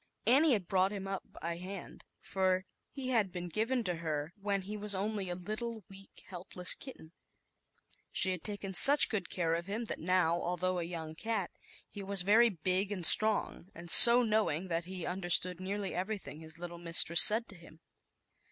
ii\ I A Annie had brought him up by hand, for he had been given to her when he was only a little, weak, helpless kitten; she had taken such good care of hi i very big and strong and although a young cat, he ZAUBERLINDA, THE WISE WITCH. 13 that he understood nearly everything his little mistress said to him.